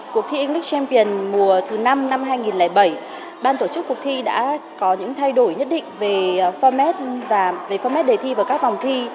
cuộc thi english champion mùa thứ năm năm hai nghìn bảy ban tổ chức cuộc thi đã có những thay đổi nhất định về format đề thi và các vòng thi